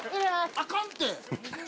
あかんって。